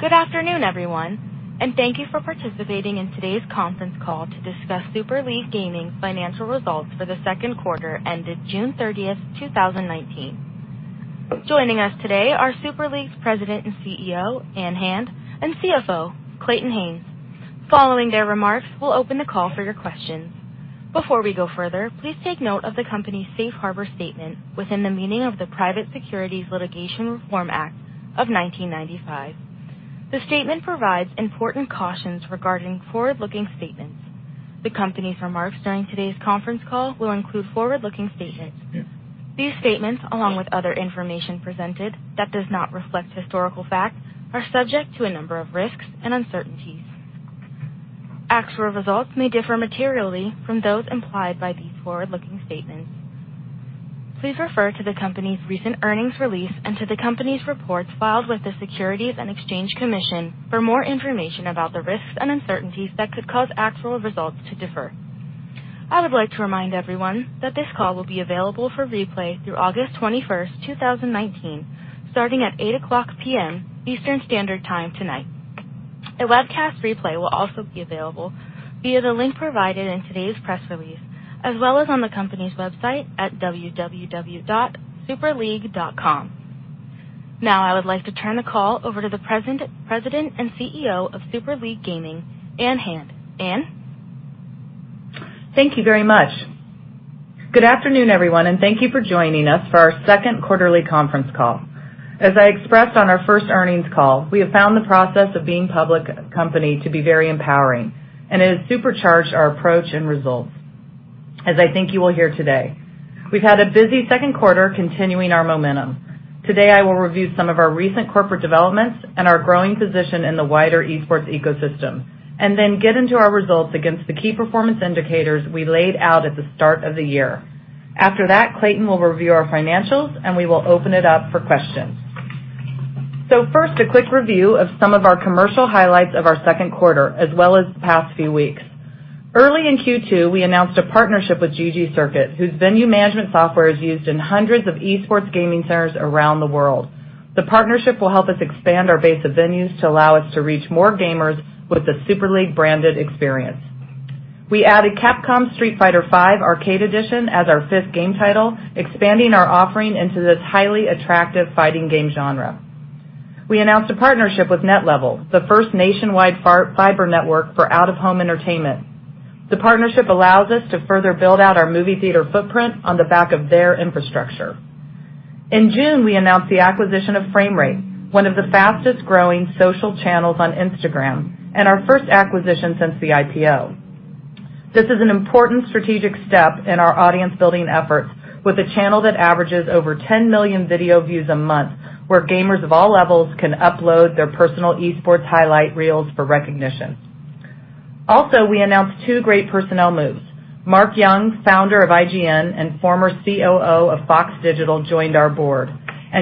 Good afternoon, everyone. Thank you for participating in today's conference call to discuss Super League Gaming's financial results for the second quarter ended June 30th, 2019. Joining us today are Super League's President and CEO, Ann Hand, and CFO, Clayton Haynes. Following their remarks, we'll open the call for your questions. Before we go further, please take note of the company's safe harbor statement within the meaning of the Private Securities Litigation Reform Act of 1995. The statement provides important cautions regarding forward-looking statements. The company's remarks during today's conference call will include forward-looking statements. These statements, along with other information presented that does not reflect historical fact, are subject to a number of risks and uncertainties. Actual results may differ materially from those implied by these forward-looking statements. Please refer to the company's recent earnings release and to the company's reports filed with the Securities and Exchange Commission for more information about the risks and uncertainties that could cause actual results to differ. I would like to remind everyone that this call will be available for replay through August 21st, 2019, starting at 8:00 P.M. Eastern Standard Time tonight. A webcast replay will also be available via the link provided in today's press release, as well as on the company's website at www.superleague.com. Now, I would like to turn the call over to the President and CEO of Super League Gaming, Ann Hand. Ann? Thank you very much. Good afternoon, everyone. Thank you for joining us for our second quarterly conference call. As I expressed on our first earnings call, we have found the process of being a public company to be very empowering, and it has supercharged our approach and results, as I think you will hear today. We've had a busy second quarter continuing our momentum. Today, I will review some of our recent corporate developments and our growing position in the wider esports ecosystem, and then get into our results against the key performance indicators we laid out at the start of the year. After that, Clayton will review our financials, and we will open it up for questions. First, a quick review of some of our commercial highlights of our second quarter, as well as the past few weeks. Early in Q2, we announced a partnership with ggCircuit, whose venue management software is used in hundreds of esports gaming centers around the world. The partnership will help us expand our base of venues to allow us to reach more gamers with a Super League-branded experience. We added Capcom's "Street Fighter V: Arcade Edition" as our fifth game title, expanding our offering into this highly attractive fighting game genre. We announced a partnership with Net Level, the first nationwide fiber network for out-of-home entertainment. The partnership allows us to further build out our movie theater footprint on the back of their infrastructure. In June, we announced the acquisition of Framerate, one of the fastest-growing social channels on Instagram, and our first acquisition since the IPO. This is an important strategic step in our audience-building efforts with a channel that averages over 10 million video views a month, where gamers of all levels can upload their personal esports highlight reels for recognition. We announced two great personnel moves. Mark Jung, founder of IGN and former COO of Fox Digital, joined our board.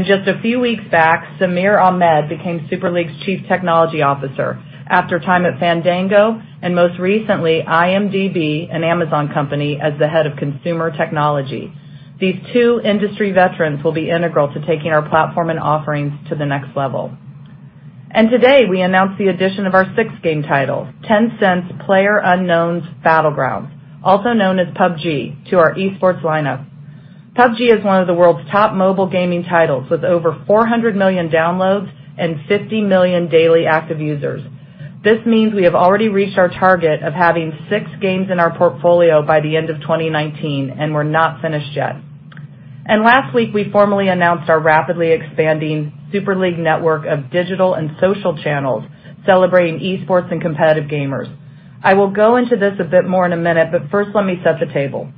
Just a few weeks back, Samir Ahmed became Super League's Chief Technology Officer after time at Fandango, and most recently, IMDb, an Amazon company, as the Head of Consumer Technology. These two industry veterans will be integral to taking our platform and offerings to the next level. Today, we announced the addition of our sixth game title, Tencent's "PlayerUnknown's Battlegrounds," also known as PUBG, to our esports lineup. PUBG is one of the world's top mobile gaming titles, with over 400 million downloads and 50 million daily active users. This means we have already reached our target of having six games in our portfolio by the end of 2019. We're not finished yet. Last week, we formally announced our rapidly expanding Super League Digital Network of digital and social channels celebrating esports and competitive gamers. I will go into this a bit more in a minute. First, let me set the table.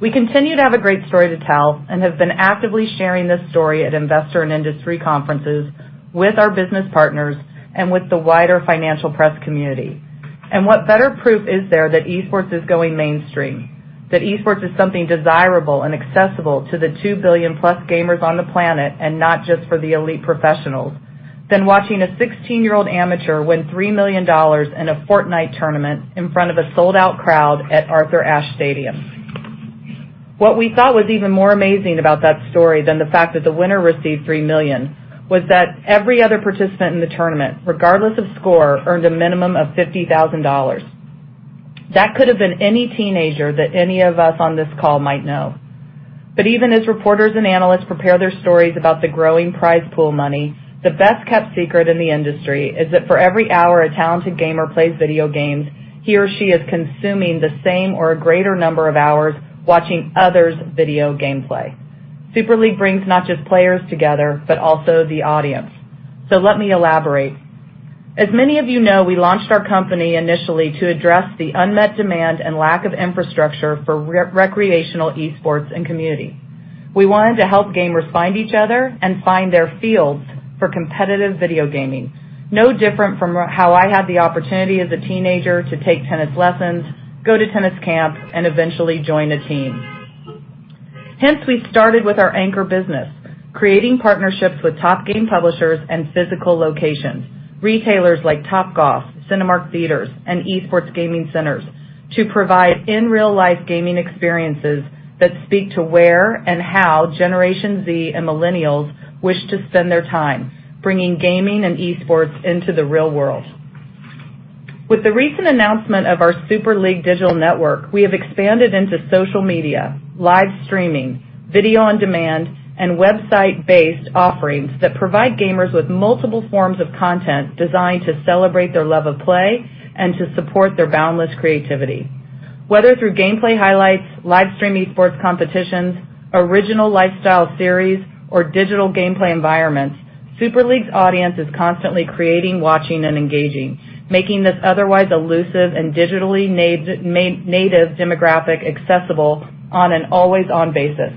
We continue to have a great story to tell and have been actively sharing this story at investor and industry conferences, with our business partners, and with the wider financial press community. What better proof is there that esports is going mainstream, that esports is something desirable and accessible to the 2 billion-plus gamers on the planet and not just for the elite professionals, than watching a 16-year-old amateur win $3 million in a Fortnite tournament in front of a sold-out crowd at Arthur Ashe Stadium. What we thought was even more amazing about that story than the fact that the winner received $3 million was that every other participant in the tournament, regardless of score, earned a minimum of $50,000. That could have been any teenager that any of us on this call might know. Even as reporters and analysts prepare their stories about the growing prize pool money, the best-kept secret in the industry is that for every hour a talented gamer plays video games, he or she is consuming the same or a greater number of hours watching others' video gameplay. Super League brings not just players together, but also the audience. Let me elaborate. As many of you know, we launched our company initially to address the unmet demand and lack of infrastructure for recreational esports and community. We wanted to help gamers find each other and find their fields for competitive video gaming, no different from how I had the opportunity as a teenager to take tennis lessons, go to tennis camp, and eventually join a team. We started with our anchor business, creating partnerships with top game publishers and physical locations, retailers like Topgolf, Cinemark Theatres, and Esports Gaming Centers, to provide in real life gaming experiences that speak to where and how Generation Z and millennials wish to spend their time, bringing gaming and esports into the real world. With the recent announcement of our Super League Digital Network, we have expanded into social media, live streaming, video-on-demand, and website-based offerings that provide gamers with multiple forms of content designed to celebrate their love of play and to support their boundless creativity. Whether through gameplay highlights, live stream esports competitions, original lifestyle series, or digital gameplay environments, Super League's audience is constantly creating, watching, and engaging, making this otherwise elusive and digitally native demographic accessible on an always-on basis.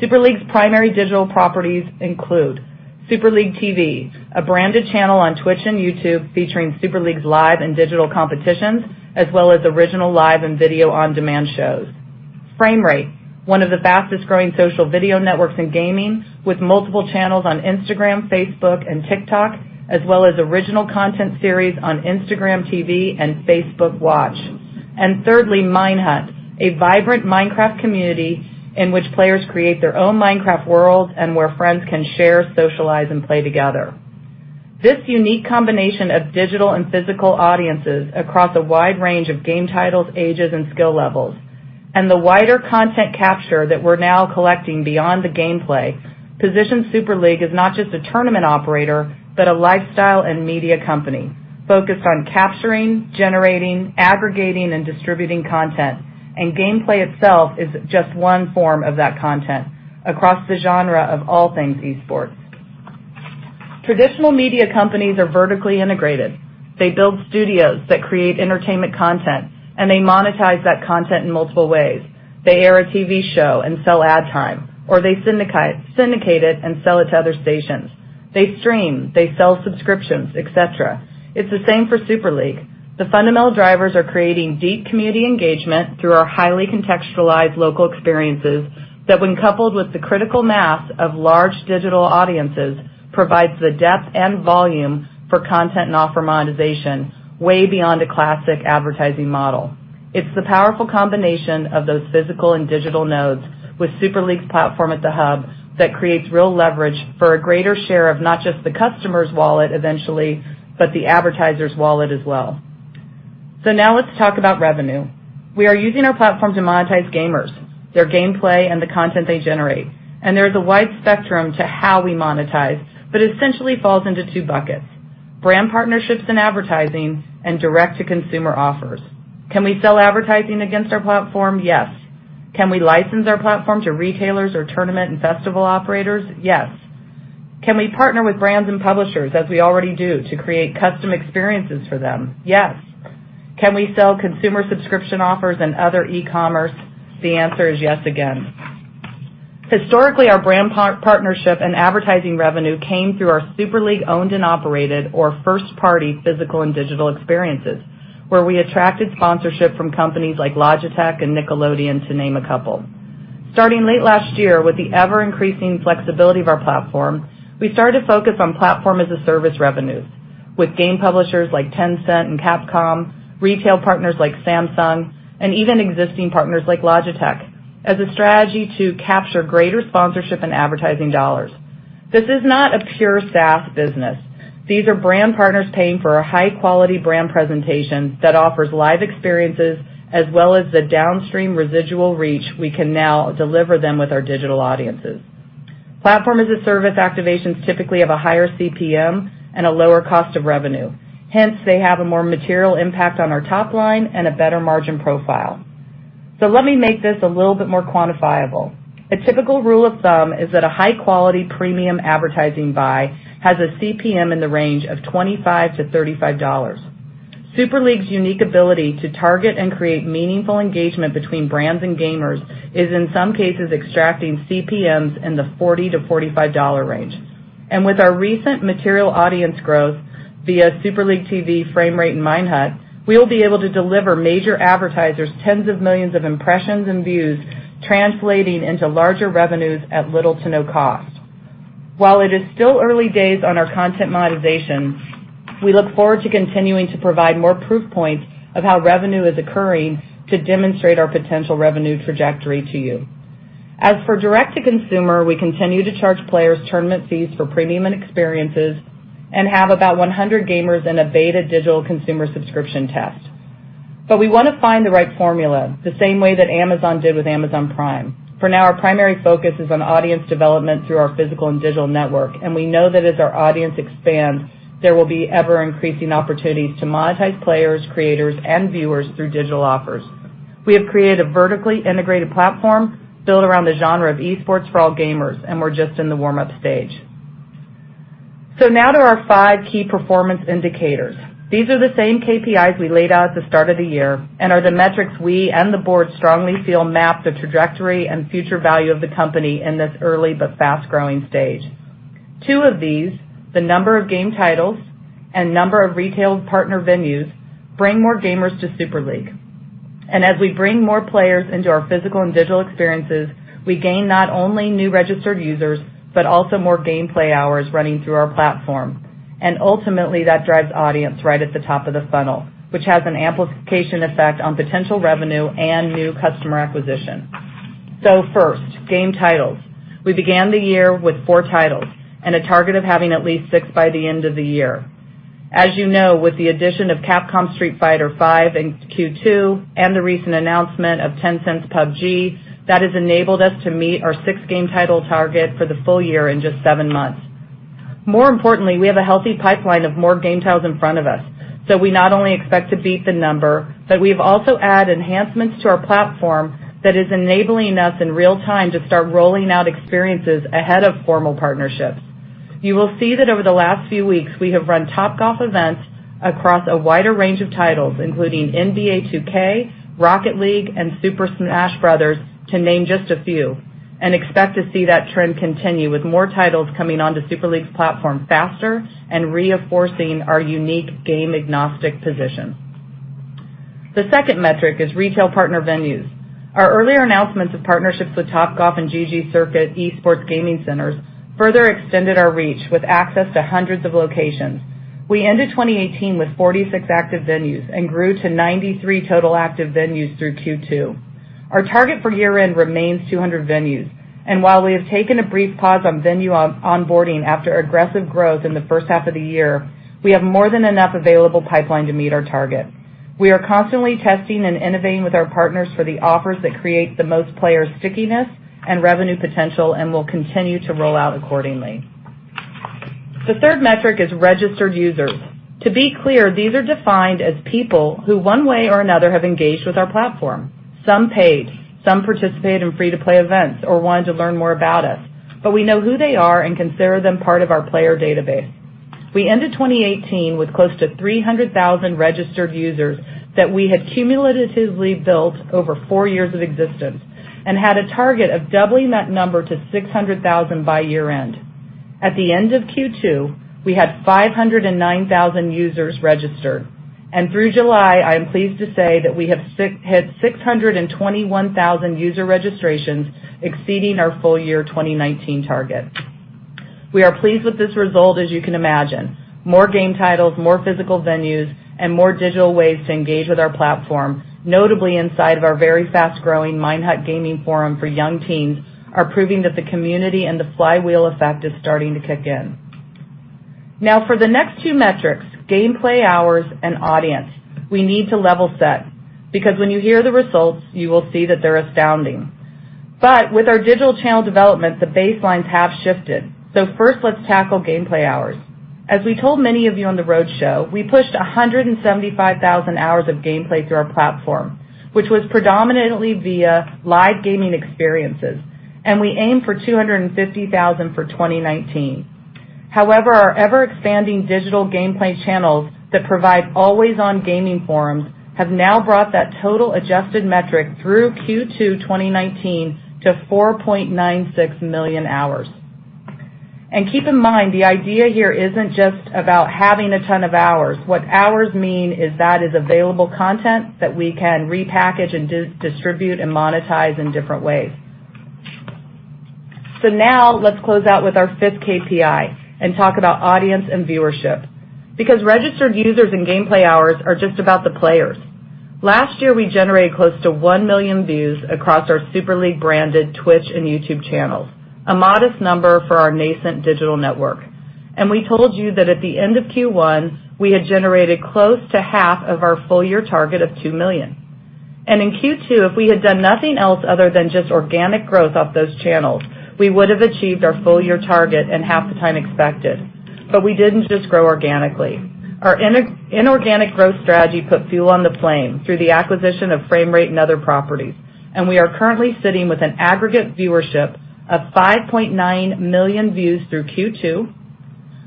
Super League's primary digital properties include Super League TV, a branded channel on Twitch and YouTube featuring Super League's live and digital competitions, as well as original live and video-on-demand shows, Framerate, one of the fastest-growing social video networks in gaming, with multiple channels on Instagram, Facebook, and TikTok, as well as original content series on Instagram TV and Facebook Watch, and thirdly, Minehut, a vibrant Minecraft community in which players create their own Minecraft worlds and where friends can share, socialize, and play together. This unique combination of digital and physical audiences across a wide range of game titles, ages, and skill levels, and the wider content capture that we're now collecting beyond the gameplay, positions Super League as not just a tournament operator, but a lifestyle and media company focused on capturing, generating, aggregating, and distributing content. Gameplay itself is just one form of that content across the genre of all things esports. Traditional media companies are vertically integrated. They build studios that create entertainment content, they monetize that content in multiple ways. They air a TV show and sell ad time, or they syndicate it and sell it to other stations. They stream, they sell subscriptions, et cetera. It's the same for Super League. The fundamental drivers are creating deep community engagement through our highly contextualized local experiences that when coupled with the critical mass of large digital audiences, provides the depth and volume for content and offer monetization way beyond a classic advertising model. It's the powerful combination of those physical and digital nodes with Super League's platform at the hub that creates real leverage for a greater share of not just the customer's wallet eventually, but the advertiser's wallet as well. Now let's talk about revenue. We are using our platform to monetize gamers, their gameplay, and the content they generate. There is a wide spectrum to how we monetize, but essentially falls into two buckets: brand partnerships and advertising, and direct-to-consumer offers. Can we sell advertising against our platform? Yes. Can we license our platform to retailers or tournament and festival operators? Yes. Can we partner with brands and publishers, as we already do, to create custom experiences for them? Yes. Can we sell consumer subscription offers and other e-commerce? The answer is yes again. Historically, our brand partnership and advertising revenue came through our Super League-owned and operated or first-party physical and digital experiences, where we attracted sponsorship from companies like Logitech and Nickelodeon, to name a couple. Starting late last year with the ever-increasing flexibility of our platform, we started to focus on platform-as-a-service revenues with game publishers like Tencent and Capcom, retail partners like Samsung, and even existing partners like Logitech as a strategy to capture greater sponsorship and advertising dollars. This is not a pure SaaS business. These are brand partners paying for a high-quality brand presentation that offers live experiences, as well as the downstream residual reach we can now deliver them with our digital audiences. Platform-as-a-service activations typically have a higher CPM and a lower cost of revenue. Hence, they have a more material impact on our top line and a better margin profile. Let me make this a little bit more quantifiable. A typical rule of thumb is that a high-quality premium advertising buy has a CPM in the range of $25 to $35. Super League's unique ability to target and create meaningful engagement between brands and gamers is in some cases extracting CPMs in the $40 to $45 range. With our recent material audience growth via Super League TV, Framerate, and Minehut, we'll be able to deliver major advertisers tens of millions of impressions and views, translating into larger revenues at little to no cost. While it is still early days on our content monetization, we look forward to continuing to provide more proof points of how revenue is occurring to demonstrate our potential revenue trajectory to you. As for direct-to-consumer, we continue to charge players tournament fees for premium and experiences and have about 100 gamers in a beta digital consumer subscription test. We want to find the right formula, the same way that Amazon did with Amazon Prime. For now, our primary focus is on audience development through our physical and digital network, and we know that as our audience expands, there will be ever-increasing opportunities to monetize players, creators, and viewers through digital offers. We have created a vertically integrated platform built around the genre of esports for all gamers, and we're just in the warm-up stage. Now to our five key performance indicators. These are the same KPIs we laid out at the start of the year and are the metrics we and the board strongly feel map the trajectory and future value of the company in this early but fast-growing stage. Two of these, the number of game titles and number of retail partner venues, bring more gamers to Super League. As we bring more players into our physical and digital experiences, we gain not only new registered users, but also more gameplay hours running through our platform. Ultimately, that drives audience right at the top of the funnel, which has an amplification effect on potential revenue and new customer acquisition. First, game titles. We began the year with 4 titles and a target of having at least 6 by the end of the year. As you know, with the addition of Capcom's Street Fighter V in Q2 and the recent announcement of Tencent's PUBG, that has enabled us to meet our 6-game title target for the full year in just 7 months. More importantly, we have a healthy pipeline of more game titles in front of us. We not only expect to beat the number, but we've also added enhancements to our platform that is enabling us in real time to start rolling out experiences ahead of formal partnerships. You will see that over the last few weeks, we have run Topgolf events across a wider range of titles, including "NBA 2K," "Rocket League," and "Super Smash Bros.," to name just a few, and expect to see that trend continue with more titles coming onto Super League's platform faster and reinforcing our unique game-agnostic position. The second metric is retail partner venues. Our earlier announcements of partnerships with Topgolf and ggCircuit Esports Gaming Centers further extended our reach with access to hundreds of locations. We ended 2018 with 46 active venues and grew to 93 total active venues through Q2. Our target for year-end remains 200 venues, and while we have taken a brief pause on venue onboarding after aggressive growth in the first half of the year, we have more than enough available pipeline to meet our target. We are constantly testing and innovating with our partners for the offers that create the most player stickiness and revenue potential and will continue to roll out accordingly. The third metric is registered users. To be clear, these are defined as people who one way or another have engaged with our platform. Some paid, some participated in free-to-play events or wanted to learn more about us, but we know who they are and consider them part of our player database. We ended 2018 with close to 300,000 registered users that we had cumulatively built over four years of existence and had a target of doubling that number to 600,000 by year-end. At the end of Q2, we had 509,000 users registered. Through July, I am pleased to say that we have hit 621,000 user registrations, exceeding our full year 2019 target. We are pleased with this result, as you can imagine. More game titles, more physical venues, and more digital ways to engage with our platform, notably inside of our very fast-growing Minehut gaming forum for young teens, are proving that the community and the flywheel effect is starting to kick in. For the next two metrics, gameplay hours and audience, we need to level set because when you hear the results, you will see that they're astounding. With our digital channel development, the baselines have shifted. First, let's tackle gameplay hours. As we told many of you on the roadshow, we pushed 175,000 hours of gameplay through our platform, which was predominantly via live gaming experiences. We aim for 250,000 for 2019. Our ever-expanding digital gameplay channels that provide always-on gaming forums have now brought that total adjusted metric through Q2 2019 to 4.96 million hours. Keep in mind, the idea here isn't just about having a ton of hours. What hours mean is that is available content that we can repackage and distribute and monetize in different ways. Now let's close out with our fifth KPI and talk about audience and viewership. Registered users and gameplay hours are just about the players. Last year, we generated close to one million views across our Super League-branded Twitch and YouTube channels, a modest number for our nascent digital network. We told you that at the end of Q1, we had generated close to half of our full-year target of 2 million. In Q2, if we had done nothing else other than just organic growth off those channels, we would have achieved our full-year target in half the time expected. We didn't just grow organically. Our inorganic growth strategy put fuel on the flame through the acquisition of Framerate and other properties, and we are currently sitting with an aggregate viewership of 5.9 million views through Q2,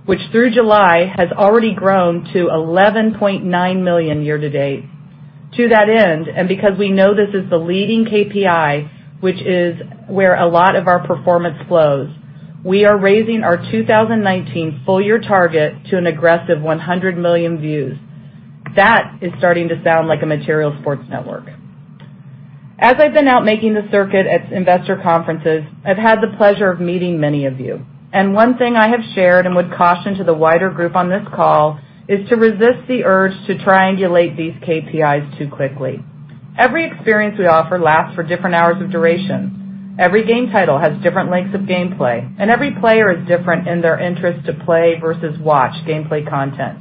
which through July has already grown to 11.9 million year-to-date. To that end, and because we know this is the leading KPI, which is where a lot of our performance flows, we are raising our 2019 full-year target to an aggressive 100 million views. That is starting to sound like a material sports network. As I've been out making the circuit at investor conferences, I've had the pleasure of meeting many of you. One thing I have shared and would caution to the wider group on this call is to resist the urge to triangulate these KPIs too quickly. Every experience we offer lasts for different hours of duration. Every game title has different lengths of gameplay, and every player is different in their interest to play versus watch gameplay content.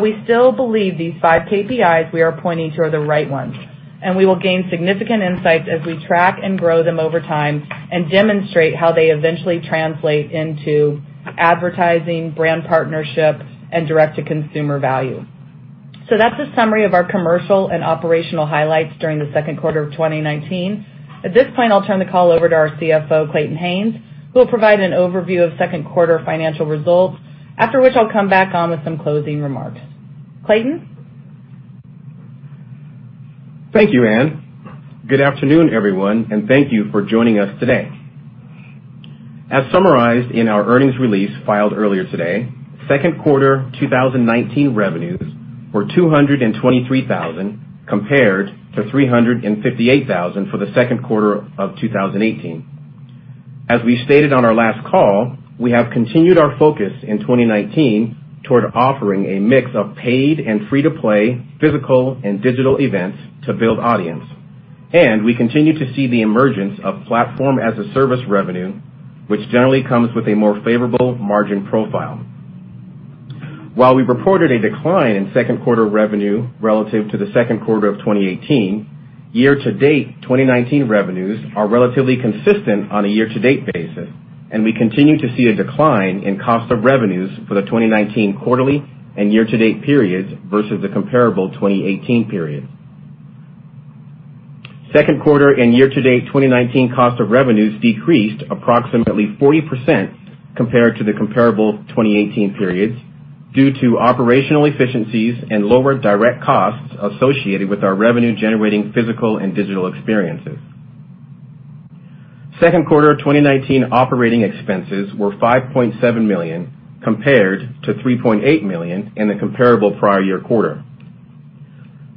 We still believe these five KPIs we are pointing to are the right ones, and we will gain significant insights as we track and grow them over time and demonstrate how they eventually translate into advertising, brand partnership, and direct-to-consumer value. That's a summary of our commercial and operational highlights during the second quarter of 2019. At this point, I'll turn the call over to our CFO, Clayton Haynes, who will provide an overview of second quarter financial results, after which I'll come back on with some closing remarks. Clayton? Thank you, Ann. Good afternoon, everyone, and thank you for joining us today. As summarized in our earnings release filed earlier today, second quarter 2019 revenues were $223,000 compared to $358,000 for the second quarter of 2018. As we stated on our last call, we have continued our focus in 2019 toward offering a mix of paid and free-to-play physical and digital events to build audience. We continue to see the emergence of platform-as-a-service revenue, which generally comes with a more favorable margin profile. While we reported a decline in second quarter revenue relative to the second quarter of 2018, year-to-date 2019 revenues are relatively consistent on a year-to-date basis, and we continue to see a decline in cost of revenues for the 2019 quarterly and year-to-date periods versus the comparable 2018 period. Second quarter and year-to-date 2019 cost of revenues decreased approximately 40% compared to the comparable 2018 periods due to operational efficiencies and lower direct costs associated with our revenue-generating physical and digital experiences. Second quarter 2019 operating expenses were $5.7 million compared to $3.8 million in the comparable prior year quarter.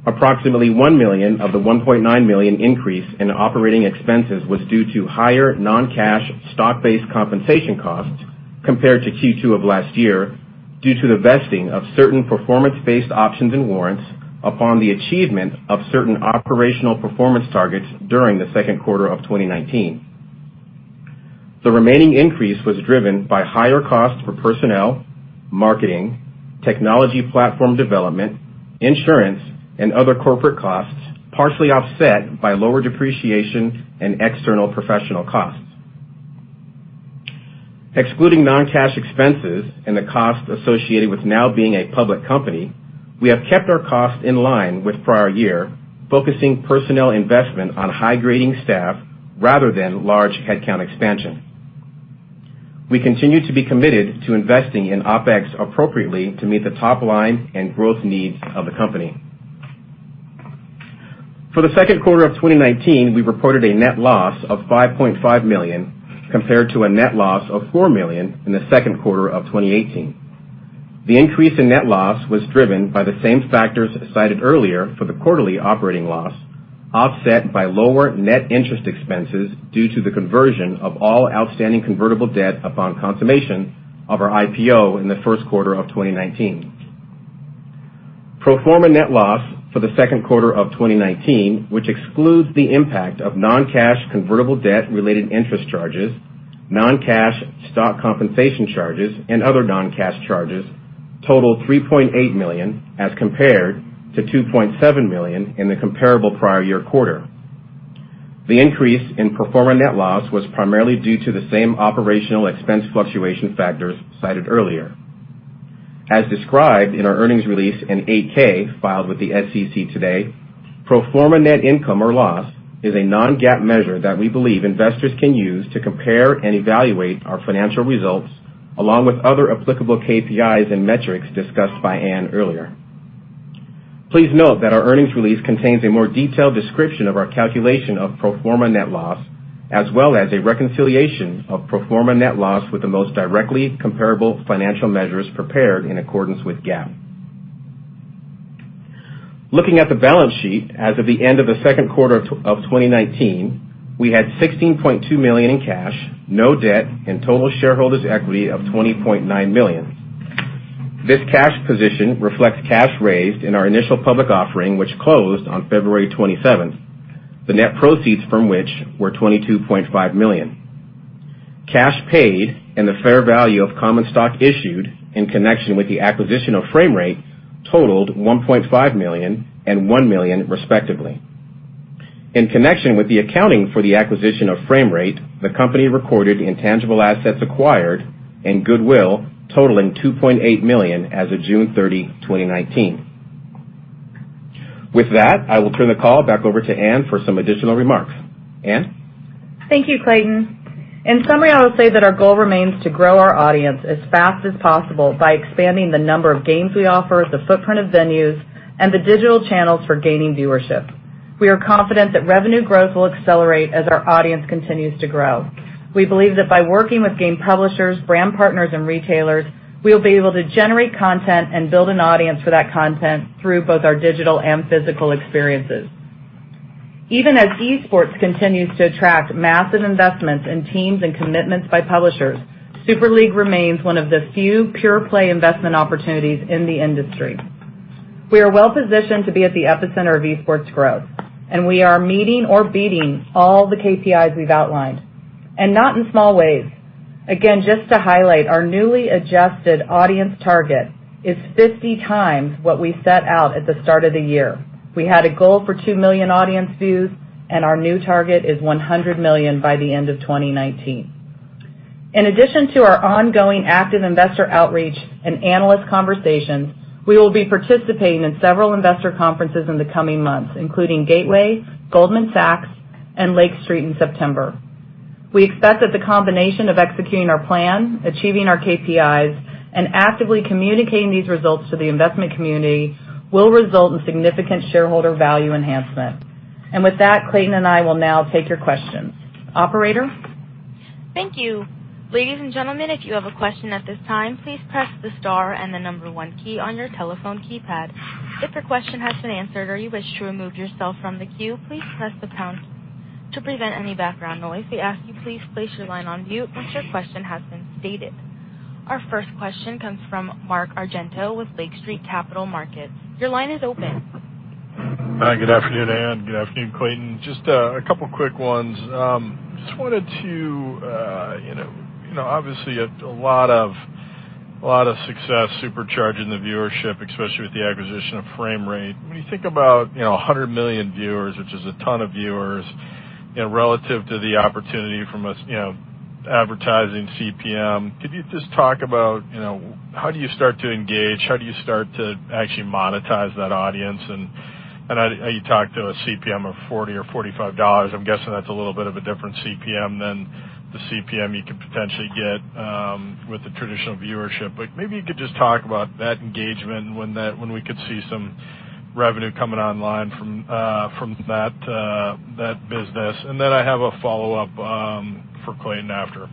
Approximately $1 million of the $1.9 million increase in operating expenses was due to higher non-cash stock-based compensation costs compared to Q2 of last year, due to the vesting of certain performance-based options and warrants upon the achievement of certain operational performance targets during the second quarter of 2019. The remaining increase was driven by higher costs for personnel, marketing, technology platform development, insurance, and other corporate costs, partially offset by lower depreciation and external professional costs. Excluding non-cash expenses and the cost associated with now being a public company, we have kept our costs in line with prior year, focusing personnel investment on high-grading staff rather than large headcount expansion. We continue to be committed to investing in OpEx appropriately to meet the top-line and growth needs of the company. For the second quarter of 2019, we reported a net loss of $5.5 million compared to a net loss of $4 million in the second quarter of 2018. The increase in net loss was driven by the same factors cited earlier for the quarterly operating loss, offset by lower net interest expenses due to the conversion of all outstanding convertible debt upon consummation of our IPO in the first quarter of 2019. Pro forma net loss for the second quarter of 2019, which excludes the impact of non-cash convertible debt-related interest charges, non-cash stock compensation charges, and other non-cash charges, totaled $3.8 million as compared to $2.7 million in the comparable prior year quarter. The increase in pro forma net loss was primarily due to the same operational expense fluctuation factors cited earlier. As described in our earnings release and 8-K filed with the SEC today, pro forma net income or loss is a non-GAAP measure that we believe investors can use to compare and evaluate our financial results, along with other applicable KPIs and metrics discussed by Ann earlier. Please note that our earnings release contains a more detailed description of our calculation of pro forma net loss, as well as a reconciliation of pro forma net loss with the most directly comparable financial measures prepared in accordance with GAAP. Looking at the balance sheet as of the end of the second quarter of 2019, we had $16.2 million in cash, no debt, and total shareholders equity of $20.9 million. This cash position reflects cash raised in our initial public offering, which closed on February 27th, the net proceeds from which were $22.5 million. Cash paid and the fair value of common stock issued in connection with the acquisition of Framerate totaled $1.5 million and $1 million, respectively. In connection with the accounting for the acquisition of Framerate, the company recorded intangible assets acquired and goodwill totaling $2.8 million as of June 30, 2019. With that, I will turn the call back over to Ann for some additional remarks. Ann? Thank you, Clayton. In summary, I would say that our goal remains to grow our audience as fast as possible by expanding the number of games we offer, the footprint of venues, and the digital channels for gaining viewership. We are confident that revenue growth will accelerate as our audience continues to grow. We believe that by working with game publishers, brand partners, and retailers, we will be able to generate content and build an audience for that content through both our digital and physical experiences. Even as esports continues to attract massive investments in teams and commitments by publishers, Super League remains one of the few pure-play investment opportunities in the industry. We are well-positioned to be at the epicenter of esports growth, and we are meeting or beating all the KPIs we've outlined, and not in small ways. Again, just to highlight, our newly adjusted audience target is 50 times what we set out at the start of the year. We had a goal for 2 million audience views, and our new target is 100 million by the end of 2019. In addition to our ongoing active investor outreach and analyst conversations, we will be participating in several investor conferences in the coming months, including Gateway, Goldman Sachs, and Lake Street in September. We expect that the combination of executing our plan, achieving our KPIs, and actively communicating these results to the investment community will result in significant shareholder value enhancement. With that, Clayton Haynes and I will now take your questions. Operator? Thank you. Ladies and gentlemen, if you have a question at this time, please press the star and the number one key on your telephone keypad. If your question has been answered or you wish to remove yourself from the queue, please press the pound key. To prevent any background noise, we ask you please place your line on mute once your question has been stated. Our first question comes from Mark Argento with Lake Street Capital Markets. Your line is open. Hi. Good afternoon, Ann. Good afternoon, Clayton. Just a couple quick ones. Obviously, a lot of success supercharging the viewership, especially with the acquisition of Framerate. When you think about 100 million viewers, which is a ton of viewers, relative to the opportunity from advertising CPM, could you just talk about how do you start to engage? How do you start to actually monetize that audience? I know you talk to a CPM of $40 or $45. I'm guessing that's a little bit of a different CPM than the CPM you could potentially get with the traditional viewership. Maybe you could just talk about that engagement and when we could see some revenue coming online from that business. I have a follow-up for Clayton after.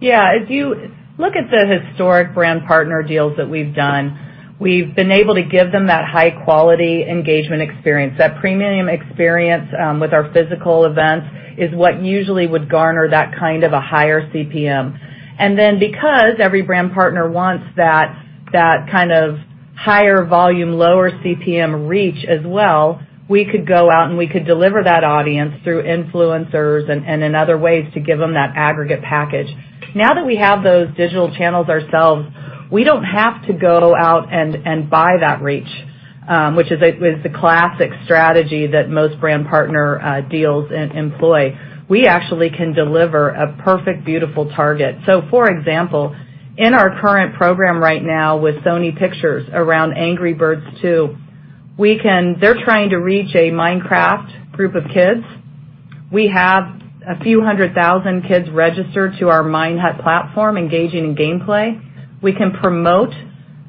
If you look at the historic brand partner deals that we've done, we've been able to give them that high-quality engagement experience. That premium experience with our physical events is what usually would garner that kind of a higher CPM. Because every brand partner wants that kind of higher volume, lower CPM reach as well, we could go out and we could deliver that audience through influencers and in other ways to give them that aggregate package. Now that we have those digital channels ourselves, we don't have to go out and buy that reach, which is a classic strategy that most brand partner deals employ. We actually can deliver a perfect, beautiful target. For example, in our current program right now with Sony Pictures around "Angry Birds 2," they're trying to reach a Minecraft group of kids. We have a few 100,000 kids registered to our Minehut platform engaging in gameplay. We can promote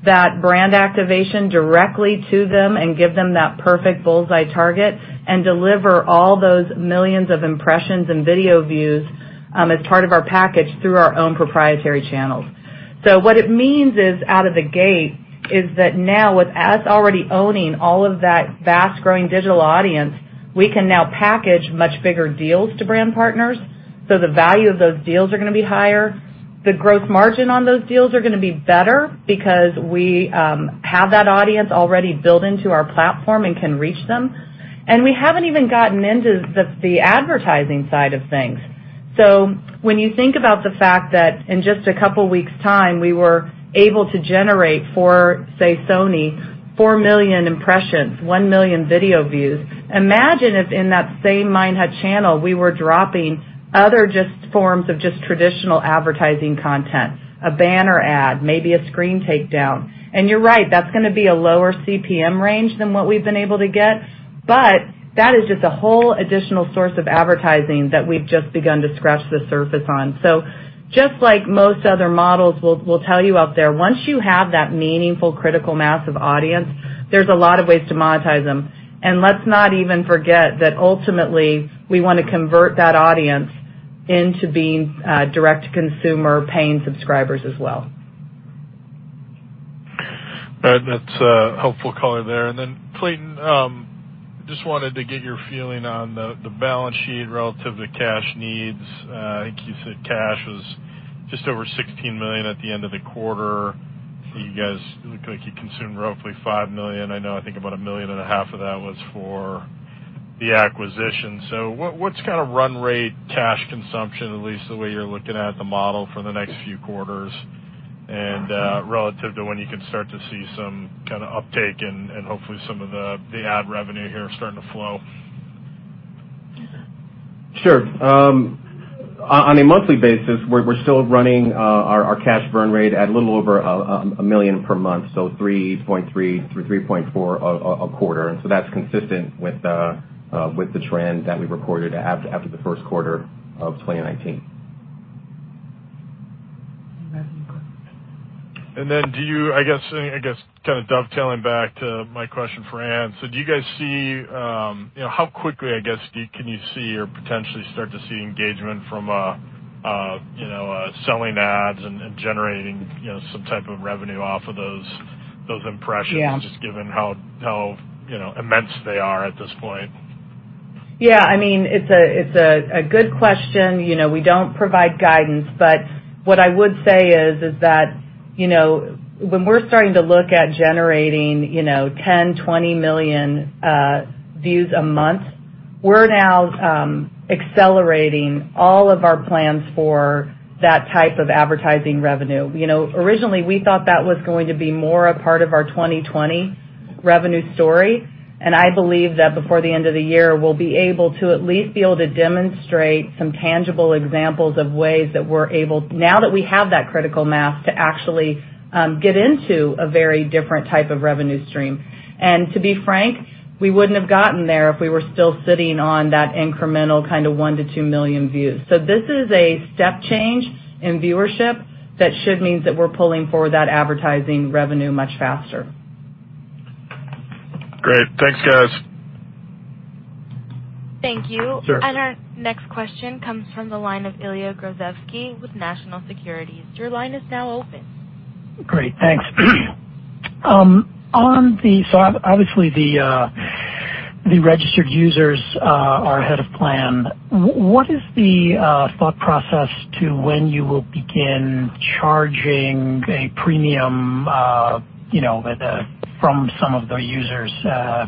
that brand activation directly to them and give them that perfect bullseye target and deliver all those millions of impressions and video views as part of our package through our own proprietary channels. What it means out of the gate is that now with us already owning all of that vast growing digital audience, we can now package much bigger deals to brand partners. The value of those deals are going to be higher. The gross margin on those deals are going to be better because we have that audience already built into our platform and can reach them. We haven't even gotten into the advertising side of things. When you think about the fact that in just a couple weeks' time, we were able to generate for, say, Sony, 4 million impressions, 1 million video views. Imagine if in that same Minehut channel, we were dropping other just forms of just traditional advertising content, a banner ad, maybe a screen takedown. You're right. That's going to be a lower CPM range than what we've been able to get. That is just a whole additional source of advertising that we've just begun to scratch the surface on. Just like most other models will tell you out there, once you have that meaningful critical mass of audience, there's a lot of ways to monetize them. Let's not even forget that ultimately, we want to convert that audience into being direct-to-consumer paying subscribers as well. All right. That's a helpful color there. Then Clayton, just wanted to get your feeling on the balance sheet relative to cash needs. I think you said cash was just over $16 million at the end of the quarter. You guys look like you consumed roughly $5 million. I know I think about $ a million and a half of that was for the acquisition. What's run rate cash consumption, at least the way you're looking at the model for the next few quarters, and relative to when you can start to see some kind of uptake and hopefully some of the ad revenue here starting to flow? Sure. On a monthly basis, we're still running our cash burn rate at a little over $1 million per month, so $3.3 million-$3.4 million a quarter. That's consistent with the trend that we recorded after the first quarter of 2019. Do you go. I guess dovetailing back to my question for Ann. How quickly, I guess, can you see or potentially start to see engagement from selling ads and generating some type of revenue off of those impressions? Yeah just given how immense they are at this point? Yeah. It's a good question. We don't provide guidance, what I would say is that when we're starting to look at generating 10, 20 million views a month, we're now accelerating all of our plans for that type of advertising revenue. Originally, we thought that was going to be more a part of our 2020 revenue story, I believe that before the end of the year, we'll be able to at least be able to demonstrate some tangible examples of ways that we're able, now that we have that critical mass, to actually get into a very different type of revenue stream. To be frank, we wouldn't have gotten there if we were still sitting on that incremental kind of one to two million views. This is a step change in viewership. That should mean that we're pulling forward that advertising revenue much faster. Great. Thanks, guys. Thank you. Sure. Our next question comes from the line of Ilya Grozovsky with National Securities. Your line is now open. Great, thanks. Obviously, the registered users are ahead of plan. What is the thought process to when you will begin charging a premium from some of the users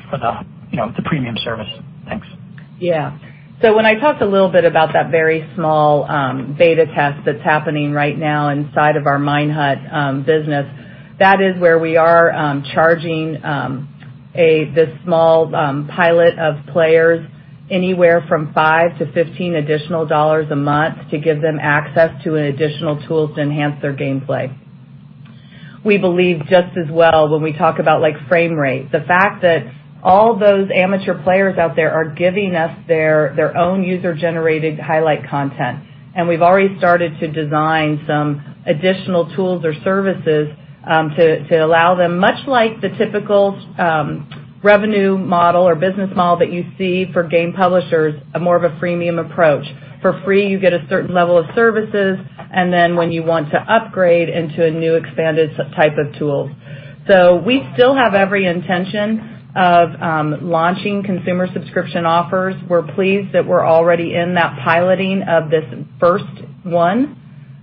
for the premium service? Thanks. When I talked a little bit about that very small beta test that's happening right now inside of our Minehut business, that is where we are charging this small pilot of players anywhere from $5-$15 additional dollars a month to give them access to additional tools to enhance their gameplay. We believe just as well when we talk about Framerate, the fact that all those amateur players out there are giving us their own user-generated highlight content, and we've already started to design some additional tools or services to allow them, much like the typical revenue model or business model that you see for game publishers, more of a freemium approach. For free, you get a certain level of services, and then when you want to upgrade into a new expanded type of tool. We still have every intention of launching consumer subscription offers. We're pleased that we're already in that piloting of this first one.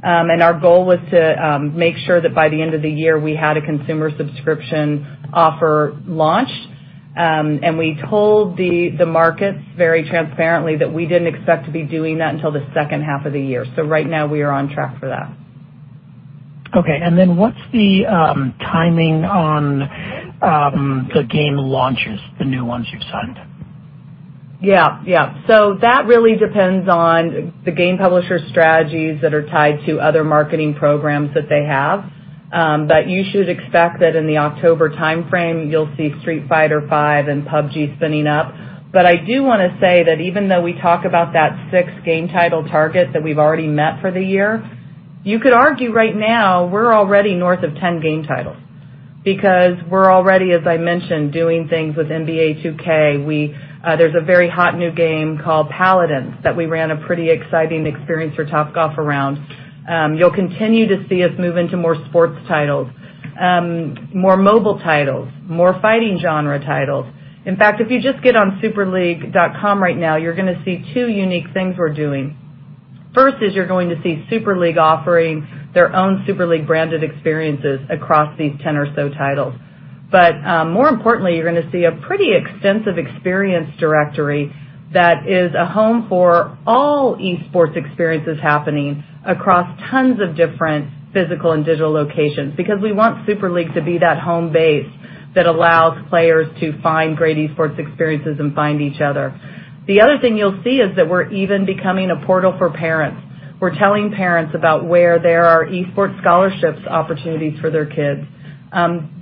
Our goal was to make sure that by the end of the year, we had a consumer subscription offer launched. We told the markets very transparently that we didn't expect to be doing that until the second half of the year. Right now, we are on track for that. Okay, what's the timing on the game launches, the new ones you've signed? That really depends on the game publisher strategies that are tied to other marketing programs that they have. You should expect that in the October timeframe, you'll see Street Fighter V and PUBG spinning up. I do want to say that even though we talk about that six-game title target that we've already met for the year, you could argue right now we're already north of 10 game titles because we're already, as I mentioned, doing things with NBA 2K. There's a very hot new game called Paladins that we ran a pretty exciting experience for Topgolf around. You'll continue to see us move into more sports titles, more mobile titles, more fighting genre titles. In fact, if you just get on superleague.com right now, you're going to see two unique things we're doing. First is you're going to see Super League offering their own Super League-branded experiences across these 10 or so titles. More importantly, you're going to see a pretty extensive experience directory that is a home for all esports experiences happening across tons of different physical and digital locations. We want Super League to be that home base that allows players to find great esports experiences and find each other. The other thing you'll see is that we're even becoming a portal for parents. We're telling parents about where there are esports scholarship opportunities for their kids.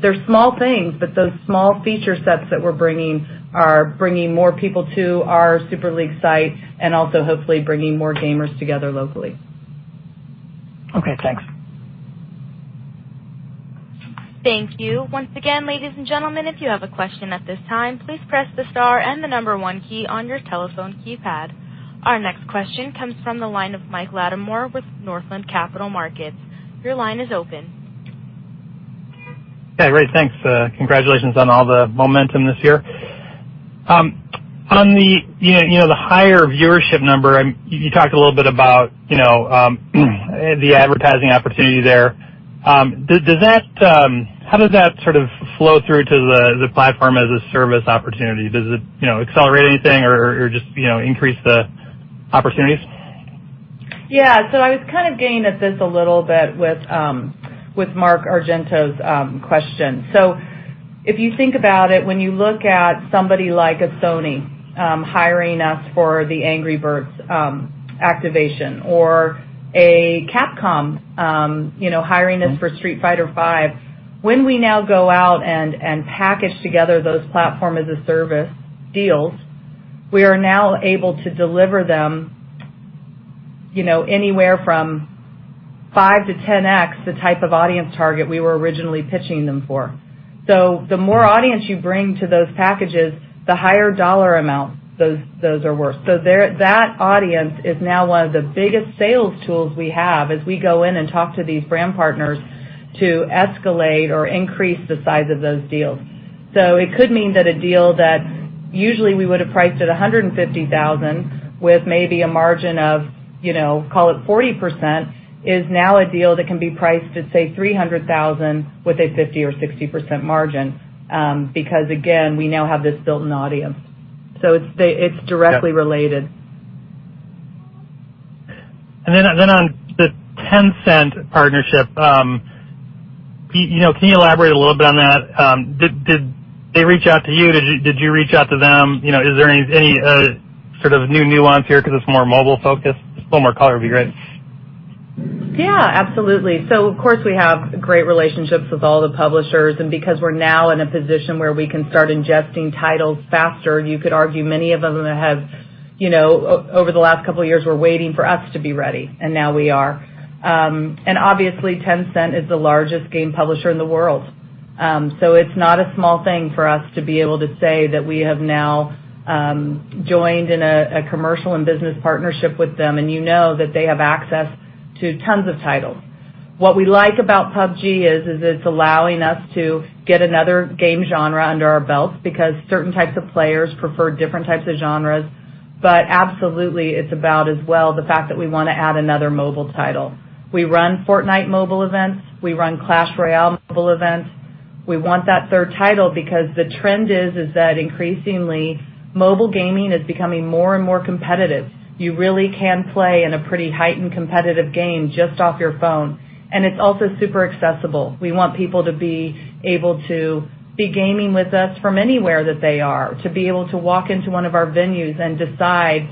They're small things, but those small feature sets that we're bringing are bringing more people to our Super League site and also hopefully bringing more gamers together locally. Okay, thanks. Thank you. Once again, ladies and gentlemen, if you have a question at this time, please press the star and the number one key on your telephone keypad. Our next question comes from the line of Michael Latimore with Northland Capital Markets. Your line is open. Hey, Rae. Thanks. Congratulations on all the momentum this year. On the higher viewership number, you talked a little bit about the advertising opportunity there. How does that sort of flow through to the platform-as-a-service opportunity? Does it accelerate anything or just increase the opportunities? Yeah. I was kind of getting at this a little bit with Mark Argento's question. If you think about it, when you look at somebody like a Sony hiring us for the Angry Birds activation or a Capcom hiring us for Street Fighter V, when we now go out and package together those platform-as-a-service deals, we are now able to deliver them anywhere from 5 to 10x the type of audience target we were originally pitching them for. The more audience you bring to those packages, the higher dollar amount those are worth. That audience is now one of the biggest sales tools we have as we go in and talk to these brand partners to escalate or increase the size of those deals. It could mean that a deal that usually we would've priced at $150,000 with maybe a margin of call it 40% is now a deal that can be priced at, say, $300,000 with a 50 or 60% margin. Again, we now have this built-in audience. It's directly related. On the Tencent partnership, can you elaborate a little bit on that? Did they reach out to you? Did you reach out to them? Is there any sort of new nuance here because it's more mobile-focused? Just a little more color would be great. Yeah, absolutely. Of course, we have great relationships with all the publishers, because we're now in a position where we can start ingesting titles faster, you could argue many of them have over the last couple of years were waiting for us to be ready, and now we are. Obviously, Tencent is the largest game publisher in the world. It's not a small thing for us to be able to say that we have now joined in a commercial and business partnership with them, you know that they have access to tons of titles. What we like about PUBG is it's allowing us to get another game genre under our belt because certain types of players prefer different types of genres. Absolutely, it's about as well the fact that we want to add another mobile title. We run Fortnite mobile events. We run Clash Royale mobile events. We want that third title because the trend is that increasingly, mobile gaming is becoming more and more competitive. You really can play in a pretty heightened competitive game just off your phone. It's also super accessible. We want people to be able to be gaming with us from anywhere that they are, to be able to walk into one of our venues and decide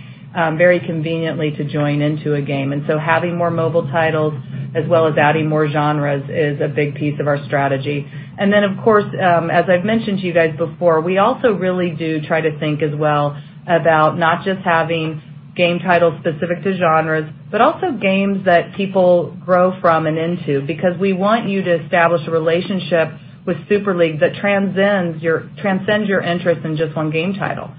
very conveniently to join into a game. Having more mobile titles as well as adding more genres is a big piece of our strategy. Of course, as I've mentioned to you guys before, we also really do try to think as well about not just having game titles specific to genres, but also games that people grow from and into, because we want you to establish a relationship with Super League that transcends your interest in just one game title.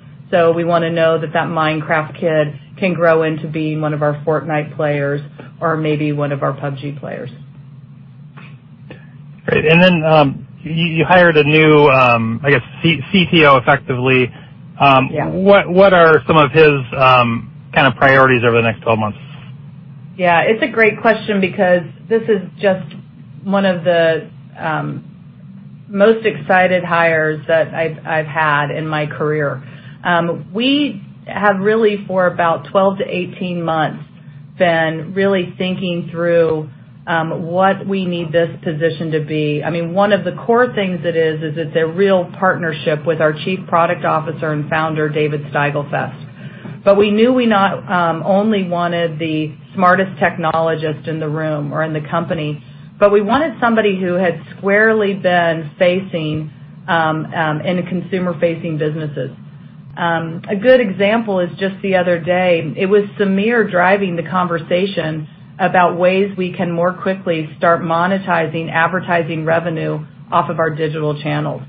We want to know that that Minecraft kid can grow into being one of our Fortnite players or maybe one of our PUBG players. Great. Then you hired a new, I guess, CTO effectively. What are some of his priorities over the next 12 months? It's a great question because this is just one of the most excited hires that I've had in my career. We have really for about 12 to 18 months been really thinking through what we need this position to be. One of the core things it is it's a real partnership with our Chief Product Officer and founder, David Steigelfest. We knew we not only wanted the smartest technologist in the room or in the company, but we wanted somebody who had squarely been in consumer-facing businesses. A good example is just the other day. It was Samir driving the conversation about ways we can more quickly start monetizing advertising revenue off of our digital channels.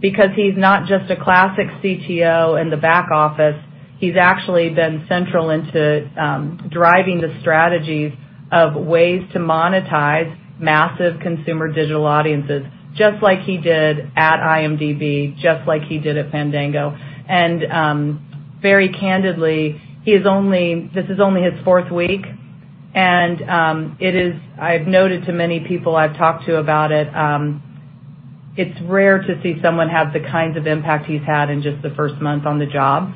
Because he's not just a classic CTO in the back office, he's actually been central into driving the strategies of ways to monetize massive consumer digital audiences, just like he did at IMDb, just like he did at Fandango. Very candidly, this is only his fourth week, and I've noted to many people I've talked to about it's rare to see someone have the kinds of impact he's had in just the first month on the job.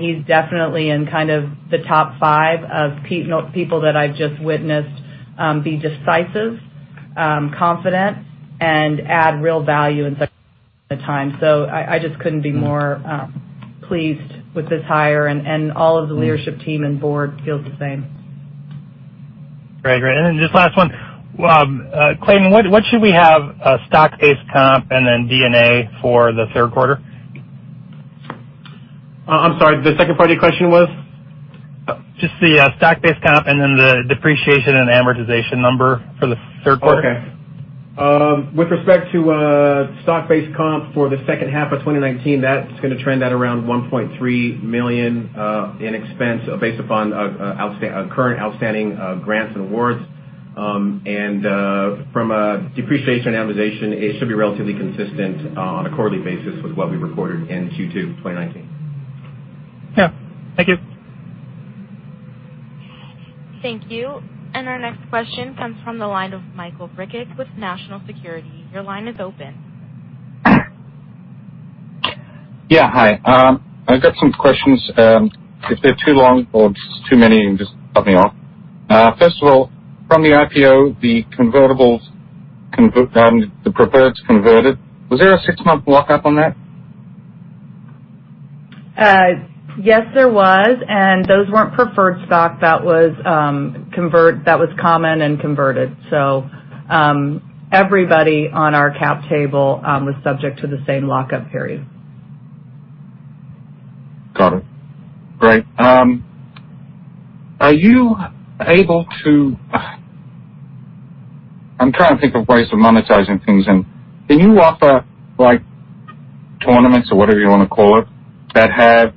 He's definitely in the top five of people that I've just witnessed be decisive, confident, and add real value in such a time. I just couldn't be more pleased with this hire, and all of the leadership team and board feels the same. Great. Just last one. Clayton, what should we have stock-based comp and then D&A for the third quarter? I'm sorry, the second part of your question was? Just the stock-based comp and then the depreciation and amortization number for the third quarter. Okay. With respect to stock-based comp for the second half of 2019, that's going to trend at around $1.3 million in expense based upon current outstanding grants and awards. From a depreciation and amortization, it should be relatively consistent on a quarterly basis with what we reported in Q2 2019. Yeah. Thank you. Thank you. Our next question comes from the line of Michael Brcic with National Securities. Your line is open. Yeah. Hi. I've got some questions. If they're too long or just too many, just cut me off. First of all, from the IPO, the preferreds converted. Was there a six-month lockup on that? Yes, there was, and those weren't preferred stock. That was common and converted. Everybody on our cap table was subject to the same lock-up period. Got it. Great. I'm trying to think of ways of monetizing things and can you offer tournaments or whatever you want to call it that have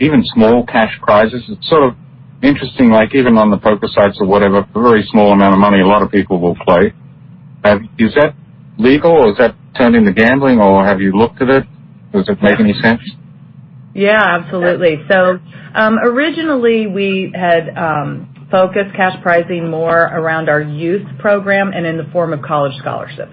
even small cash prizes? It's sort of interesting, even on the poker sites or whatever, for a very small amount of money, a lot of people will play. Is that legal, or is that turning to gambling, or have you looked at it? Does it make any sense? Yeah, absolutely. Originally, we had focused cash prizing more around our youth program and in the form of college scholarships.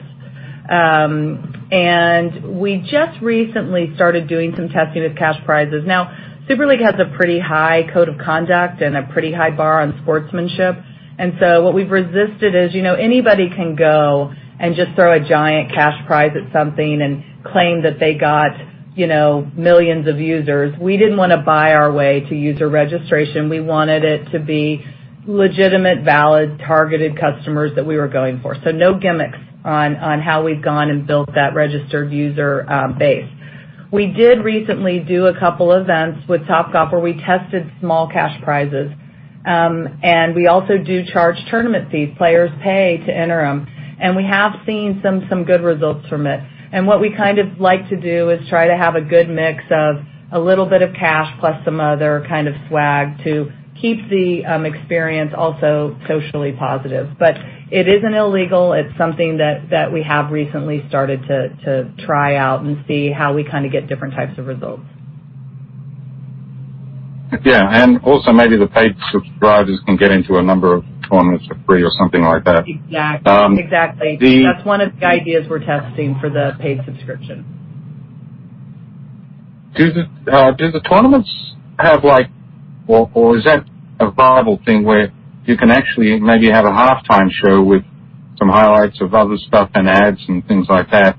We just recently started doing some testing with cash prizes. Now, Super League has a pretty high code of conduct and a pretty high bar on sportsmanship. What we've resisted is anybody can go and just throw a giant cash prize at something and claim that they got millions of users. We didn't want to buy our way to user registration. We wanted it to be legitimate, valid, targeted customers that we were going for. No gimmicks on how we've gone and built that registered user base. We did recently do a couple events with Topgolf where we tested small cash prizes. We also do charge tournament fees, players pay to enter them, and we have seen some good results from it. What we like to do is try to have a good mix of a little bit of cash plus some other kind of swag to keep the experience also socially positive. It isn't illegal. It's something that we have recently started to try out and see how we get different types of results. Yeah. Also, maybe the paid subscribers can get into a number of tournaments for free or something like that. Exactly. That's one of the ideas we're testing for the paid subscription. Do the tournaments have or is that a viable thing where you can actually maybe have a halftime show with some highlights of other stuff and ads and things like that?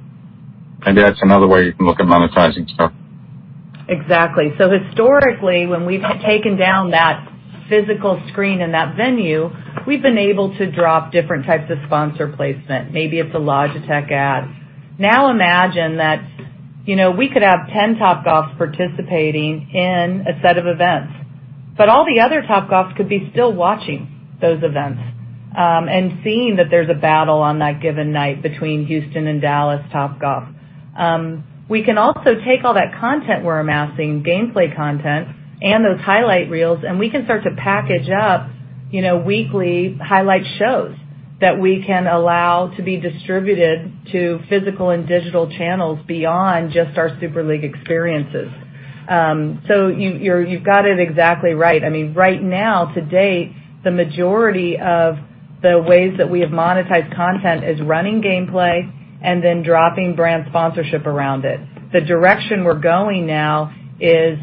Maybe that's another way you can look at monetizing stuff. Exactly. Historically, when we've taken down that physical screen in that venue, we've been able to drop different types of sponsor placement. Maybe it's a Logitech ad. Now imagine that we could have 10 Topgolfs participating in a set of events, but all the other Topgolf could be still watching those events, and seeing that there's a battle on that given night between Houston and Dallas Topgolf. We can also take all that content we're amassing, gameplay content and those highlight reels, and we can start to package up weekly highlight shows that we can allow to be distributed to physical and digital channels beyond just our Super League experiences. You've got it exactly right. Right now, to date, the majority of the ways that we have monetized content is running gameplay and then dropping brand sponsorship around it. The direction we're going now is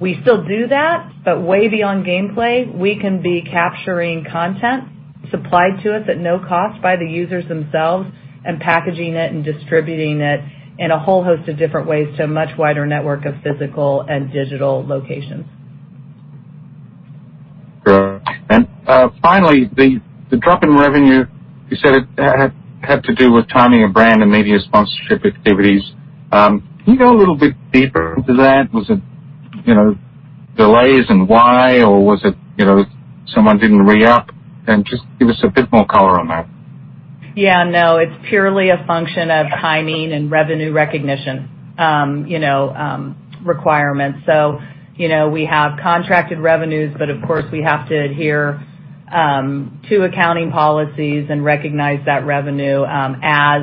we still do that, but way beyond gameplay, we can be capturing content supplied to us at no cost by the users themselves and packaging it and distributing it in a whole host of different ways to a much wider network of physical and digital locations. Great. Finally, the drop in revenue, you said it had to do with timing of brand and media sponsorship activities. Can you go a little bit deeper into that? Was it delays and why, or was it someone didn't re-up? Just give us a bit more color on that. Yeah. No, it's purely a function of timing and revenue recognition requirements. We have contracted revenues, but of course, we have to adhere to accounting policies and recognize that revenue as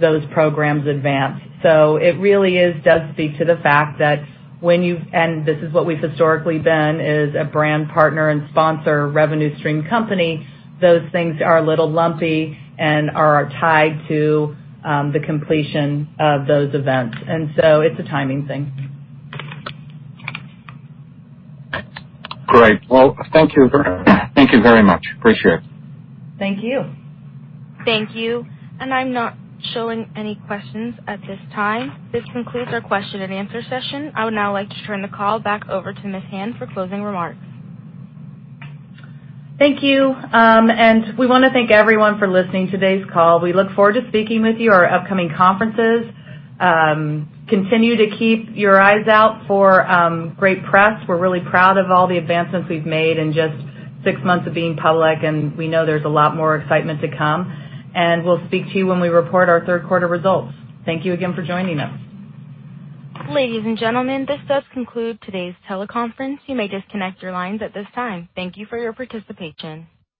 those programs advance. It really does speak to the fact that this is what we've historically been, is a brand partner and sponsor revenue stream company, those things are a little lumpy and are tied to the completion of those events. It's a timing thing. Great. Well, thank you very much. Appreciate it. Thank you. Thank you. I'm not showing any questions at this time. This concludes our question and answer session. I would now like to turn the call back over to Ms. Hand for closing remarks. Thank you. We want to thank everyone for listening to today's call. We look forward to speaking with you at our upcoming conferences. Continue to keep your eyes out for great press. We're really proud of all the advancements we've made in just six months of being public, and we know there's a lot more excitement to come. We'll speak to you when we report our third quarter results. Thank you again for joining us. Ladies and gentlemen, this does conclude today's teleconference. You may disconnect your lines at this time. Thank you for your participation.